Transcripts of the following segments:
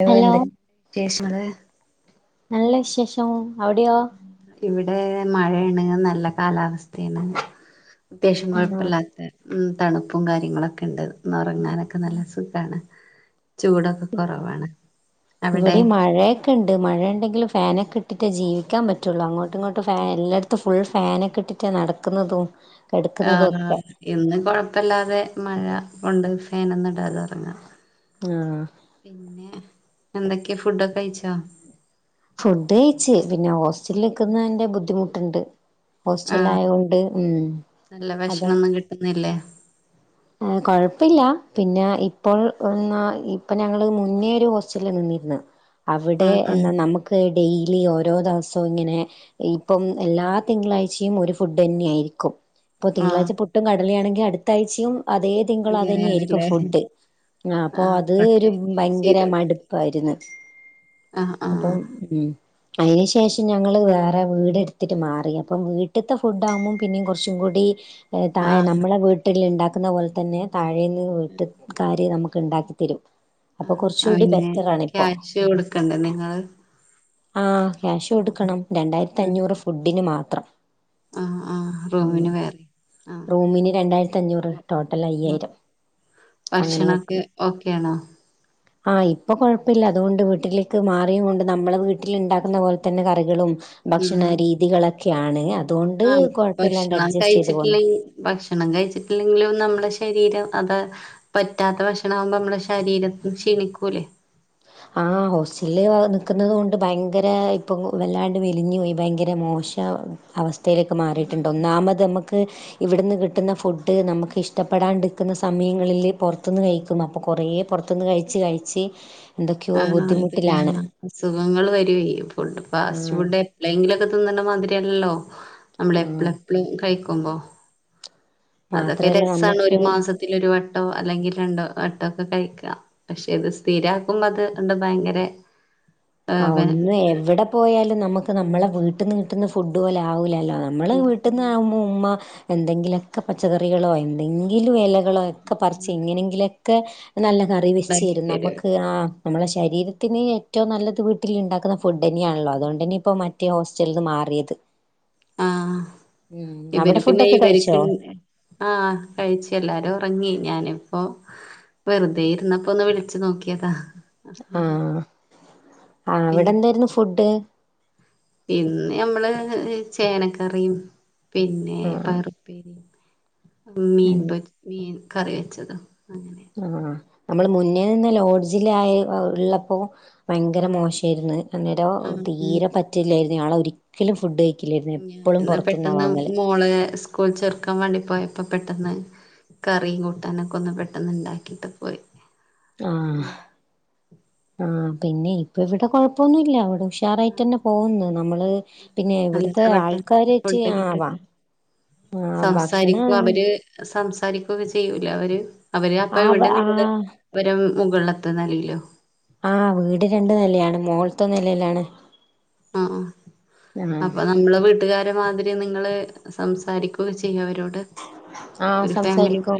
Hello hello എന്തൊക്കെയാ വിശേഷങ്ങള്? നല്ല വിശേഷം അവിടെയോ ഇവിടെ മഴയാണ് നല്ല കാലാവസ്ഥയാണ് അത്യാവശ്യം ആഹ് കുഴപ്പമില്ലാത്ത ഉം തണുപ്പും കാര്യങ്ങളൊക്കെ ഉണ്ട് ഉറങ്ങാനൊക്കെ നല്ല സുഖാണ് ചൂടൊക്കെ കുറവാണ് അവിടെ ഇവിടെ മഴയൊക്കെണ്ട് മഴ ഉണ്ടെങ്കിലും ഫ് ഫാനൊക്കെ ഇട്ടിട്ട് ജീവിക്കാൻ പറ്റുള്ളൂ അങ്ങോട്ടും ഇങ്ങോട്ട് ഫാൻ എല്ലാടത്തും ഫുൾ ഫാനൊക്കെ ഇട്ടിട്ടാ നടക്കുന്നതും കിടക്കുന്നതും ആആ ഒക്കെ ഇന്ന് കൊഴപ്പില്ലാതെ മഴ കൊണ്ട് ഫേനൊന്നിടാതെ ഉറങ്ങാം. ആഹ് പിന്നെ എന്തൊക്കെയാ ഫുഡൊക്കെ കഴിച്ചോ ഫുഡ് കഴിച്ച് പിന്നെ ഹോസ്റ്റലിൽക്കുന്നതിന്റെ ബുദ്ധിമുട്ടുണ്ട് ഹോസ്റ്റല ആഹ് ആയൊണ്ട് ഉം നല്ല അതന്ന് ഭക്ഷണൊന്നും കിട്ടുന്നില്ലേ ഏ കൊഴപ്പില്ല പിന്നെ ഇപ്പോൾ ഇപ്പൊ ഞങ്ങള് മുന്നേ ഒരു ഹോസ്റ്റലിൽ നിന്നിരിന്ന് അവിടെ ആഹ് ആഹ് എന്താ നമുക്ക് ഡെയിലി ഓരോ ദിവസവും ഇങ്ങനെ ഇപ്പം എല്ലാ തിങ്കളാഴ്ചയും ഒരു ഫുഡ് തന്നെയ ആയിരിക്കും ഇപ്പൊ ആഹ് തിങ്കളാഴ്ച പുട്ടും കടലയാണെങ്കിൽ അടുത്താഴ്ചയും അതേ തിങ്കളും അത് തന്നെയ ആയിരിക്കും അങ്ങനെയാണല്ലേ ഫുഡ് ആ അപ്പൊ ആഹ് അത് ഒരു റൊട്ടേറ്റ് ഭയങ്കര ചെയ്തോണ്ട് മടുപ്പായിരുന്നു ആഹ് അപ്പം ആഹ് ഉ അയിന് ശേഷം ഞങ്ങള് വേറെ വീടെടുത്തിട്ട് മാറി അപ്പം വീട്ടിത്തെ ഫുഡ് ആകുമ്പോ പിന്നെ കുറച്ച് ഗുടി താഴെ ആഹ് നമ്മളെ വീട്ടിൽ ഉണ്ടാക്കുന്ന പോലെ തന്നെ താഴേ നിന്ന് വീട്ടുകാര് നമുക്ക് ഉണ്ടാക്കി തരും. അപ്പൊ ആഹ് കുറച്ചുകൂടി പിന്നെ ബെറ്ററാണിപ്പോ. ക്യാഷ് മ്മ് കൊടുക്കണ്ടേ നിങ്ങള് ആ ക്യാഷ് കൊടുക്കണം രണ്ടായിരത്തി അഞ്ഞൂറ് ഫുഡിന് മാത്രം ആഹ് ആഹ് ഉം റൂമ്ന് വേറെ ആഹ് റൂമിന് രണ്ടായിരത്തിഞ്ഞൂറ് ടോട്ടല് ആഹ് അയ്യായിരം അങ്ങനെ ഭക്ഷണൊക്കെ കൊടുക്കണം ഓക്കെ ആണോ ആഹ് ഇപ്പൊ കൊഴപ്പമില്ല. അതുകൊണ്ട് വീട്ടിലേക്ക് മാറിയ കൊണ്ട് നമ്മള് വീട്ടിൽ ഉണ്ടാക്കുന്ന പോലെ തന്നെ കറികളും ഉം ഭക്ഷണ രീതികളൊക്കെയാണ് അ ആഹ് ഭക്ഷണം കഴിച്ചിട്ടില്ലെങ്ക ഭക്ഷണം കഴിച്ചിട്ടില്ലെങ്കിലും നമ്മടെ ശരീരം അത് പറ്റാത്ത ഭക്ഷണാകുമ്പോ നമ്മള ശരീരത്തി ക്ഷീണിക്കൂലേ ആഹ് ഹോസ്റ്റലില് നിക്കുന്നത് കൊണ്ട് ഭയങ്കര ഇപ്പം വല്ലാണ്ട് മെലിഞ്ഞു പോയി ഭയങ്കര മോ മോശ അവസ്ഥയിലേക്ക് മാറിയിട്ടുണ്ട് ഒന്നാമത് അമക്ക് ഇവിടുന്ന് കിട്ട്ന്ന ഫുഡ്‌ നമുക്ക് ഇഷ്ടപ്പെടാണ്ടിക്ക്ന്ന സമയങ്ങളിൽ പുറത്തുന്ന് കഴിക്കും അപ്പം കുറേ പുറത്തുന്ന് കഴിച്ച് കഴിച്ച് എന്തൊക്കെയോ ആ പിന്നെ ബുദ്ധിമുട്ടിലാണ് അാ അസുഖങ്ങൾ വരുവേ ഫുഡ് ഫാസ്റ്റ് ആഹ് ഫുഡ് എപ്പളുങ്കിലൊക്കെ തിന്ന്ന്ന മാതിരിയല്ലല്ലോ നമ്മള് ആഹ് എപ്പള്എപ്പള് കഴിക്കുമ്പോ അതൊക്കെ മാത്രല്ല രസാണ് ഒരു നമുക്ക് മാസത്തിലൊരു വ ട്ടോ അല്ലെങ്കിൽ രണ്ടോ ട്ടോ ഒക്കെ കഴിക്കാ പക്ഷെ ഇത് സ്ഥിരാക്കുമ്പോ അത് ഉണ്ട് ഭയങ്കര ആ ഏഹ് ബെ ഒന്ന് ഇതാണ് എവിടെ പോയാലും നമ്മുക്ക് നമ്മളെ വീട്ടന്ന് കീട്ടന്ന് ഫുഡ് പോലെ ആവൂല നമ്മൾ വീട്ടന്നാവു ഉമ്മ എന്തെങ്കിലു ഒക്കെ പച്ചക്കറികളോ എന്തെങ്കിലും ഇല കളൊക്കെ പറിച്ച് എങ്ങനെങ്കിലും ഒക്കെ നല്ല കറിവെച്ചു തരും നമുക്ക് ആ നമ്മളെ ശരീരത്തിന് ഏറ്റവും നല്ലത് വീട്ടിൽ ഉണ്ടാക്കുന്ന ഫുഡ് തന്നെയാണല്ലോ അതുകൊണ്ട്ന്നെ ഇപ്പോ മറ്റേ ഹോസ്റ്റലിൽ നിന്ന് മാറിയത് ആഹ് ഉം ഇവര് അവിടെ പിന്നെ ഫുഡൊക്കെ കഴിച്ചോ ഇവരിക്ക് ആഹ് കഴിച്ച് എല്ലാരും ഉറങ്ങി ഞാനിപ്പോ വെറുതെ ഇരുന്നപ്പോ ഒന്ന് വിളിച്ചു നോക്കിയതാ ആഹ് ആഹ് അവിടെ പിന്നെ എന്തായിരുന്നു ഫുഡ് ഇന്ന് മ്മള് ചേനക്കറിയും പിന്നെ ആ പാറുപ്പേരി മീൻ ഉം പൊരി മീൻ കറിവെച്ചതും. ആ നമ്മൾ മുന്നേ നിന്ന ലോഡ്ജിലായി ഉള്ളപ്പോൾ ഭയങ്കര മോശായിരുന്ന് അന്നേരോ ആഹ് തീരെ പറ്റില്ലായിരുന്നു ഞാളൊരിക്കലും ഫുഡ് കഴി ഞാ എന്നാ പെട്ടന്ന് മോള് സ്കൂൾ ചേർക്കാൻ വേണ്ടി പോയ പ്പൊ പെട്ടെന്ന് കറിയും കൂട്ടാനൊക്കെ ഒന്ന് പെട്ടന്ന് ഉണ്ടാക്കിട്ട് പോയി ആഹ് ഉം ആ പിന്നെ ഇപ്പ ഇവിടെ കൊഴപ്പൊന്നുല്ല അവിടെ ആ, ഉഷാറായിട്ടന്നെ പോകുന്നു നമ്മള് പിന്നെ ഇവിടത്തെ നല്ലതാവട്ടെ നല്ല ഫുഡ് ആൾക്കാറായിറ്റ് ആവാ കിട്ടട്ടെ ആഹ് സംസാരിക്കും ഭക്ഷണം അവര് സംസ രിക്കൊക്കെ ചെയ്യൂല അവര്. അവര് അപ്പ ആവ ഇവിടെ നിന്ന് ആഹ് അവരും മുകളിലത്ത നിലയിലും ആ വീട് രണ്ടു നിലയാണ് മോളത്തെ നിലയിലാണ് ആ ആഹ് അപ്പൊ നമ്മള വീട്ടുകാര മാതി രി നിങ്ങള് സംസാരിക്കൊക്കെ ചെയ്യവരോ ആ സംസാരിക്കും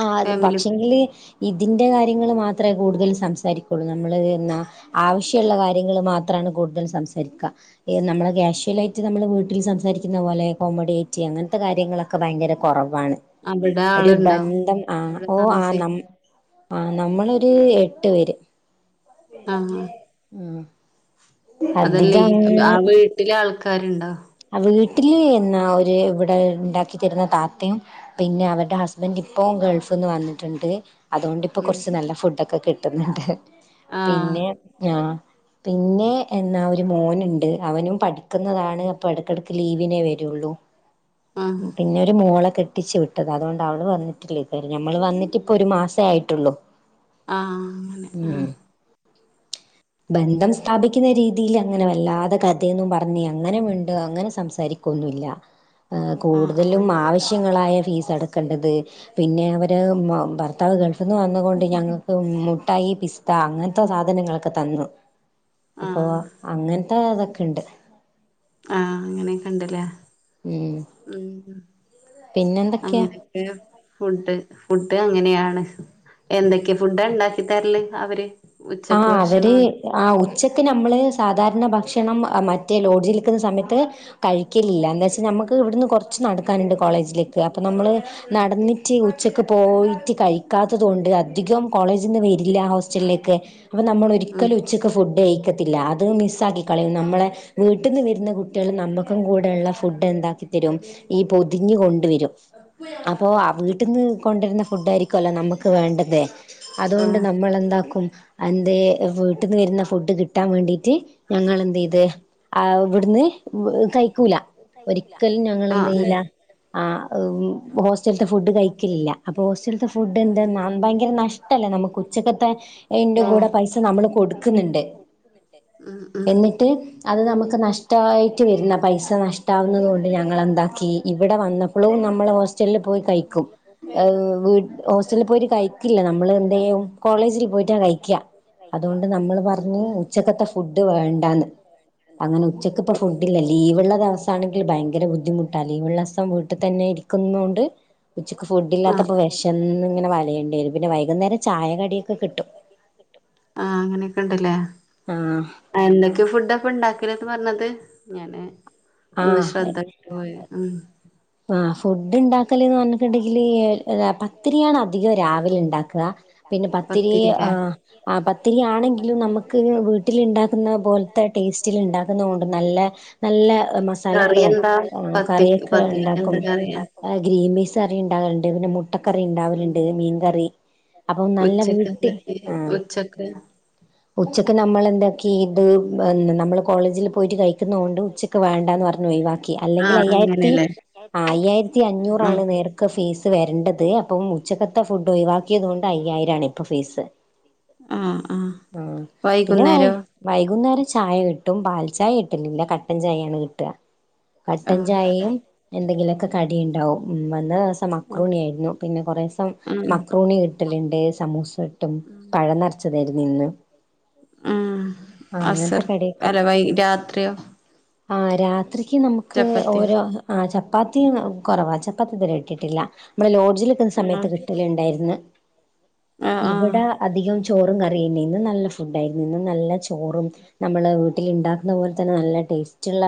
ആ അത് ഫാമിലി പോലെ. പക്ഷങ്കില് ഇത് തിന്റെ കാര്യങ്ങൾ മാത്രമേ കൂടുതൽ സംസാരിക്കുള്ളൂ നമ്മള് എന്നാ ആവശ്യള്ള ആ. കാര്യങ്ങൾ മാത് ത്രാണ് കൂടുതൽ സംസാരിക്ക. നമ്മെ ആഹ് കാശ്യുൽ ആയി ട്ട് നമ്മൾ വീട്ടിൽ സംസാരിക്കുന്ന പോലെ കോമഡിയാറ്റി അങ്ങനത്തെ കാര്യങ്ങളൊക്കെ ഭയങ്കര കുറവ് വാണ് അവിടെ ഒരു ആളുണ്ടോ ബന്ധം. ആ അവിടെ ഓ ആ താമസിക്ക നം ആ നമ്മളൊരു എട്ട് പേര് ഉം അതല്ലേയ് ആ വീട്ടില് ആൾക്കാരുണ്ടോ? വീട്ടിൽ എന്ന ഒരു ഇവിടെ ഇണ്ടാക്കി തരുന്ന താത്തയും പിന്നെ അവരുടെ ഹസ്ബന്റ് ഇപ്പോം ഗൾഫ്ന്ന് വന്നിട്ടുണ്ട് അതുകൊണ്ട്പ്പോ ഉം കുറച്ച് നല്ല ഫുഡൊക്കെ കിട്ടുന്നുണ്ട്. ആഹ് പിന്നെ ആ പിന്നെ എന്നാ ഒരു മോനുണ്ട് അവനും പഠിക്കുന്നതാണ് ഇപ്പ ഇടക്കിടക്ക് ലീവിനേ വരുള്ളൂ ആഹ് പിന്നെരു മോളകെട്ടി കേട്ടിച്ചു വിട്ടത് അതുകൊണ്ട് അവള് വന്നിട്ടില്ലേ ഇത ഞമ്മൾ വന്നിട്ട് ഉം ഇപ്പൊ ഒരു മാസേ ആയിട്ടുള്ളു ആഹ് അങ്ങനെ ആഹ ബന്ധം സ്ഥാപിക്കുന്ന രീതിൽ അങ്ങനെ വല്ലാതെ കഥയന്നും പറഞ്ഞഞ് അങ്ങനെ വണ്ട് അങ്ങനെ സംസാരിക്കും ന്നല്ല ആഹ് കൂടുതലും ആഹ് ആവശ്യങ്ങളായ ഫീസ് എടുക്കേണ്ടത് പിന്നെ അവര് ഭർത്താവ് ഗൾഫിൽ നിന്ന് വന്നുകൊണ്ട് ഞങ്ങൾക്ക് മുട്ടായി ഈ പിസ്ത അങ്ങനത്തെ സാധനങ്ങൾക്കെ ഒക്കെ തന്നു അപ്പൊ ആഹ് അങ്ങനത്തെ ഇതൊക്കെ ഇണ്ട് ആഹ് അങ്ങനെയൊക്കെ ഇണ്ടല്ലേ ഉം ഉം പിന്നെന്തൊക്കെയാ അങ്ങനെയൊക്കെ ഫുഡ് ഫുഡ് അങ്ങനെയാണ് എന്തൊക്കെയ ഫുഡ ഉണ്ടാക്കി തരല് അവര് ആഹ് ഉച്ചക്ക് അവര് ഭക്ഷണം അത് ആ ഉച്ച ക്ക്‌ നമ്മള് സാധാരണ ഭക്ഷണം മറ്റേ ലോഡ്ജിൽ നിൽക്കുന്ന സമയത്ത് കഴിക്കലില്ല എാ വെച്ചാൽ നമുക്ക് ഇവിടുന്ന് കുറച്ച് നടക്കാനുണ്ട് കോളേജിലേക്ക് അപ്പോൾ നമ്മള് നടന്നിട്ട് ഉച്ചക്ക് പോയിട്ട് കഴിക്കാത്തത് കൊണ്ട് അധികം കോളേജിൽന്ന് വരില്ല ഹോസ്റ്റലിലേക്ക് അപ്പൊ നമ്മൊ ഉം ഒരിക്കലും ഉച്ചക്ക് ഫുഡ് കഴും ത്തില്ല അത് മിസ് ആക്കിക്കളും നമ്മളെ വീട്ടിൽ നിന്ന് വരുന്ന കുട്ടികൾ നമ്മുക്കും കൂടെയള്ള ഫുഡ് എന്തി ഈ പൊതിഞ് കൊണ്ട വരും അപ്പോ ആ വീട്ടിൽ നിന്ന് കൊണ്ടിരുന്ന ഫുഡ് ആയിരിക്കുവല്ലോ നമുക്ക് വേണ്ടതേ അതുകൊണ്ട് ആഹ് നമ്മൾന്താക്കും എന്ത വീട്ടിൽന്ന് വരുന്ന ഫുഡ് കിട്ടാൻ വേണ്ടിട്ട് ഞങ്ങ എന്ത് ചെയ്ത് ആഹ് ഇവിടുന്ന് കഴിക്കൂല ഒരിക്കലും ഞങ്ങ എന്ത് ചെയ്ല ആ എന്തെയ്യില്ല ഹോസ്റ്റലത്തെ ഫുഡ് കഴിക്കലില്ല അപ്പൊ ഹോസ്റ്റലത്തെ ഫുഡ് എന്താ ഭയങ്കര നഷ്ട നമക്ക് ഉച്ചക്കത്തെന്റെ കൂടെ പൈസ നമ്മൾ കൊടുക്കുന്നുണ്ട് ഉം ഉം എന്നിട്ട് അത് നമുക്ക് നഷ്ടമായി വരുന്ന പൈസ നഷ്ടാവുന്നുന്നത് കൊണ്ട് ഞങ്ങൾ എന്താക്കി ഇവിടെ വന്നപ്പോഴും നമ്മൾ ഹോസ്റ്റലിൽ പോയി കഴ ഹോസ്റ്റലിൽ പോയിട്ട് കഴിക്കില്ല നമ്മൾ എന്ത കോളേജിൽ പോയി കഴിക്ക അതുകൊണ്ട് നമ്മൾ പറഞ്ഞഞ് ഉച്ചക്കത്തെ ഫുഡ് വേണ്ടന്ന് അങ്ങനെ ഉച്ചക്ക് ഇപ്പ ഫുഡ്ല്ല ലീവള്ളത് അവസ്ഥ ആണെങ്കിൽ ഭയങ്കര ബുദ്ധിമുട്ടാല്ല ഈ വള്ളസം വീട്ടിൽ തന്നെ ഇരിക്കുന്നണ്ട് ഉ ഫുഡ് ആഹ് ഇില്ലാത്തപ്പോ വിഷന്ന് ഇങ്ങെ വലയേണ്ടി വരും പിന്നെ വൈകുന്നേരം ചായകടിയൊക്കെ കിട്ടും ആഹ അങ്ങനെയൊക്കെ ഉണ്ടല്ലേ ആഹ് എന്തൊക്കെയോ ഫുഡൊപ്പ ഇണ്ടാക്കലന്ന് പറഞ്ഞത് ഞാന് ഒന്ന് ആ ശ്രദ്ധ ഉ ആ ഫുഡ് ഉണ്ടാക്കലേന്ന് പറഞ്ഞിട്ടുണ്ടെങ്കില് പത്തിരിയാണ് അധികം രാവിലെ ഉണ്ടാക്കുക പിന്നെ പത്തിരി പത്തിരിയാണെങ്കിലും നമുക്ക് ന വീട്ടിൽ ഉണ്ടാക്കുന്ന പോലത്തെ ടേസ്റ്റിൽ ഉണ്ടാക്കുന്ന കൊണ്ട് നല്ല നല്ല മസാലകൾ എന്താ പത്തി കറൊക്കെ പത്തിരിക്ക് ഉണ്ടാക്കും എന്താ കറിയാ ഗ്രീമീസ് കറി ഉണ്ടാക്കറുണ്ട് പിന്നെ മുട്ടക്കറി ഉണ്ടാവലുണ്ട് മീൻകറി അപ്പൊ നല്ല ഉച്ചക്ക് വീട്ടിൽ എന്തൊക്കെ ആഹ ഉച്ചക്ക് ഉച്ചക്ക് ഉച്ചക്ക് നമ്മൾെന്താക്കി ഇത് നമ്മളെന്താക്കി നമ്മൾ കോളേജിൽ നമ്മള് പോയിട്ട് കോളേജിൽ കഴിക്കുന്ന കൊണ്ട് ഉച്ചക്ക് വേണ്ടന്ന് പറഞ്ഞു ഒഴിവാക്കി അല്ലെങ്കിൽ ആഹ് അയ്യായിരത്തി അങ്ങനെല്ലേ ആ അയ്യായിരത്തി അഞ്ഞൂറാണ് നേർക്ക് ഫീസ് വരേണ്ടത് അപ്പം ഉച്ചക്കത്തെ ഫുഡ് ഒഴിവാക്കിയത് കൊണ്ട് അയ്യായിരണ് ഇപ്പൊ ഫീസ് ആഹ് പിന്നെ വൈ വൈകുന്നേരോ വൈകുന്നേരം ചായ കിട്ടും പാൽ ചായ കിട്ടലില്ല കട്ടൻ ചായയാണ് കിട്ടുക കട്ടൻ ആഹ് ചായയും എന്തെങ്കിലുമൊക്കെ കടി ഉണ്ടാവും വന്ന ദിവസം ആഹ് മക്രുണി ആയിരുന്നു പിന്നെ കൊറേ ദിവസം ആഹ് മക്രുണി കിട്ടലുണ്ട് സമൂസ ഇട്ടും ഉ ആ അസർ അങ്ങനത്തെ കടിയൊക്കെ അല്ല വൈ രാത്രിയോ ആ രാത്രിക്ക് നമുക്ക് ചപ്പാത്തിയോ ഓരോ ആ ചപ്പാത്തി കെറവാ ചപ്പാത്തി ഇതുവരെ ഇട്ടിട്ടില്ല നമ്മള് ലോ ജിൽക്കുന്ന സ്കൂളില് പോയ സമയത്ത് കിട്ടലുണ്ടായിരിന്ന് ആഹ് ആഹ് ഇവിടെ അധികം ചോറും കറിന്ന ഇന്ന് നല്ല ഫുഡ് ആയിരുന്നു ഇന്ന് നല്ല ചോറും നമ്മള് വീട്ടില് ഇണ്ടാക്കുന്ന പോലെ തന്നെ നല്ല വീട്ടിലുണ്ടാക്കുന്ന ടേസ്റ്റ് ഉള്ള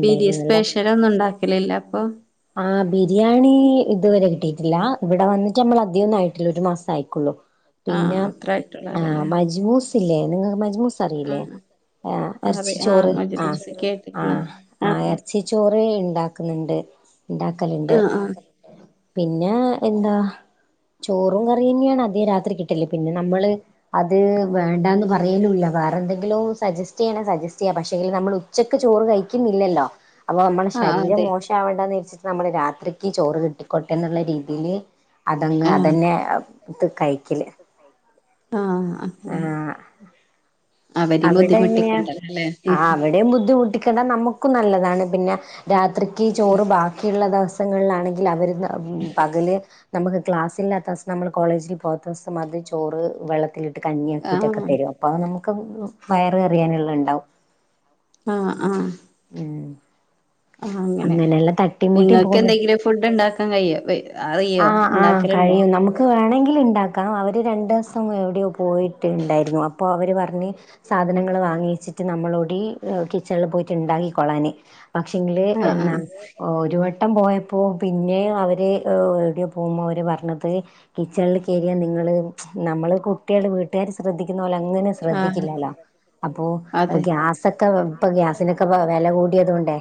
ബിരി സ്പെഷ്യല ഒന്നും ഒണ്ടാക്കലില്ല അപ്പൊ ആ ബിരിയാണി ഇതുവരെ കിട്ടിയിട്ടില്ല ഇവിടെ വന്നിട്ട് നമ്മള അധികം ഒന്നും ആട്ടില്ല ഒരു മാസം ആയിക്കുള്ളു ആഹ് പിന്നെ അത്ര ആ ആയിട്ടുള്ളവരല്ലേ മജ്മൂസ് ല്ലേ നിങ്ങൾക്ക് മജ്മൂസ് അറിയില്ലേ ആഹ ആഹ് അറി ഇറച്ചി ആഹ് ചോറ് ആഹ മജ്മൂസ് കേട്ട്ക്ക്ണ് ആഹ ആ ആഹ് ഇറച്ചി ചോറ് ഇണ്ടാക്കുന്നുണ്ട് ഇണ്ടാക്കലുണ്ട് ആഹ് ആഹ് പിന്നെ എന്താ ചോറും കറിയ തന്നെയാണ് അധികം രാത്രി കിട്ടല് പിന്നെ നമ്മള് അത് വേണ്ടാന്ന് പറയലൂല്ല വേറെ എന്തെങ്കിലും സജസ്റ്റ് ചെയ്യ സജസ്റ്റ് ചെയ്യ പക്ഷെ ലെ നമ്മള് ഉച്ചക്ക് ചോറ് കഴിക്കുന്നില്ലല്ലോ അപ്പൊ നമ്മുടെ ആഹ് ആഹ് ശരീരം അതെ മോശമാവണ്ടെന്ന് വെച്ച് നമ്മള് രാത്രിക്ക് ചോറ് കിട്ടിക്കോട്ടെ എന്നുള്ള രീതിയില് അതങ്ങ് അതന്നെ ത് കഴിക്കല് ആഹ അങ്ങനെ ആഹ് അവരിം അവിടെ എങ്ങനെയാ ബുദ്ധിമുട്ടിക്കണ്ടല്ലോ അല്ലേ ആ ഉം അവിടെയും ബുദ്ധിമുട്ടി ക്ക്ന്ന നമുക്കും നല്ലതാണ് പിന്നെ രാത്രിക്ക് ചോറ് ബാക്കിയുള്ള ദിവസങ്ങളിലാണെങ്കി ന്ന അവര് ഉം പകല് നമുക്ക് ക്ലാസ്സ് ഇല്ലാത്തസം നമ്മൾ കോളേജിപോകത്ത സം അത് ചോറ് വെള്ളത്തിലിട്ട് ആഹ് കഞ്ഞിയാക്കിയിട്ടൊക്കെ തരും അപ്പൊ അത് നമുക്ക് വയറ് നിറയാനുള്ള ഇണ്ടാവും ആഹ ആഹ ഉം ആ അങ്ങനെ അങ്ങനെയെല്ലാം തട്ടിമുട്ടി നിങ്ങൾക്ക് പോകുന്നത് എന്തെങ്കിലും ഫുഡ് ഉണ്ടാക്കാൻ കഴിയോ അറിയോ ആഹ് ആഹ് ഉണ്ടാക്ക കഴിയും നമുക്ക് വേണമെങ്കി ണ്ടാക്കാം അവര് രണ്ട്സം എവിടെയോ പോയിട്ട് ഇണ്ടായിരുന്നു അപ്പോ അവര് പറഞ്ഞു സാധനങ്ങള് വാങ്ങി വാങ്ങിച്ചിട്ട് നമ്മളോടി ഹ് കിച്ചണിൽ പോയിട്ട് ഇണ്ടാക്കിക്കോളാന് പക്ഷെങ്കില് ആഹ് എന്നാ ഓ ഒരു വ ട്ടം പോയപ്പോ പിന്നെ അവര് ങ് എവിട്യോ പോകുമ്പം അവര് പറഞ്ഞത് കിച്ചണിൽ കേറിയാൽ നിങ്ങ നമ്മള് [unintelligible] നമ്മള് കുട്ടികള് വീട്ടുകാര് ശ്രദ്ധിക്കുന്ന പോലെ അങ്ങനെ ആഹ് ശ്രദ്ധിക്കില്ലല്ലോ. അപ്പോ അതെ ഗ്യാസൊക്കെ വ് ഇപ്പൊ ഗ്യാസിനൊക്കെ പ്പൊ വെല കൂടിയത് കൊണ്ടേ.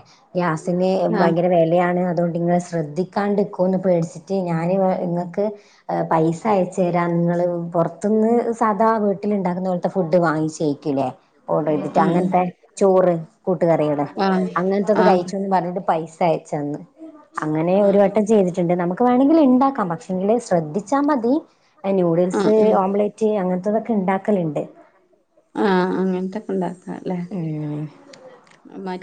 ത്തിന് ആഹ് ഭയങ്കര വെലയാണ് അതുകൊണ്ട് നിങ്ങള് ശ്രദ്ധി കണ്ടിക്കൂന്ന് പേടിച്ചിട്ട് ഞാന് ഇങ്ങക്ക് ഹ് പൈസ അയച്ചു തരാ നിങ്ങൾ പൊർത്ത് ന്ന് സാദാ വീട്ടിൽ ഇണ്ടാക്ക്ന്ന പോലത്തെ ഫുഡ് വാങ്ങിച്ചയ്ക്കിലെ ഓഡറെയ്തിട്ട് ആഹ് അങ്ങൻത്തെ ചോറ്. കൂട്ടുകറികള് ആഹ് അങ്ങൻത്തത് ആഹ് കയിചോന്ന് പറഞ്ഞിട്ട് പൈസ അയച്ചന്ന്. അങ്ങനേ ആഹ് ഒരു ആഹ് ഉം വട്ടം ചെയ്തിട്ടുണ്ട് നമുക്ക് വേണങ്കിൽ ഇണ്ടാക്കാം പക്ഷെങ്കില് ശ്രദ്ധിച്ചാൽ മതി നൂഡിൽ ആഹ് സ്, ഉം ഓംലറ്റ് അങ്ങന്ത്തതൊക്കെ ഇണ്ടാക്കലുണ്ട്. ഉണ്ടാക്ക ല്ലേ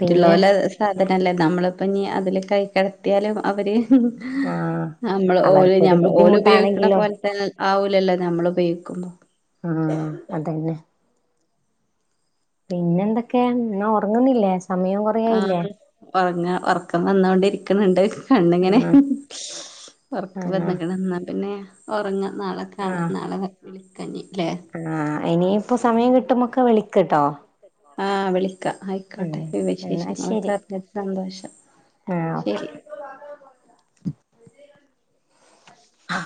പിന്നെ സാധനല്ലേ നമ്മള്. അപ്പം ഞ്ഞ് അതിൽ കൈ കടത്തിയാലും അവര് ഹ് ഹ് ആഹ് നമ്മള് ഓല് അവർക്കൊരു ഞമ്മൾ ഓല് ഉപയോഗിക്ക്ണ ബുദ്ധിമുട്ടാണെങ്കിലും പോലെ തന്നെ ആവൂലല്ലോ നമ്മൾ ഉപയോ ഉം അത് തന്നെ പിന്നെന്തൊക്കെ ന്നാ ഒർങ്ങുന്നില്ലേ? ആഹ് ഒർങ്ങ ഒർക്കം വന്നോണ്ടിരിക്ക്ണണ്ട്. കണ്ണ്ങ്ങനെ ആഹ് ഒർക്കം ആഹ് വന്ന്ക്ക്ണ് ന്നാ പിന്നെ ഒറങ്ങ. നാളെ കാണ ആഹ് നാളെ വിളിക്കഞ്ഞിപ്പം ആഹ് ഇനിയിപ്പോ സമയം കിട്ടുമ്പോക്കെ വിളിക്ക് ട്ടോ. ആഹ് വിളി ക്ക ആയിക്കോട്ടെ എന്നാ വിശേഷങ്ങളൊക്കെ ശരി അറിഞ്ഞതി സന്തോഷം ആഹ് ഓക്കെ. ശെരി. [inaudible] ഹാ.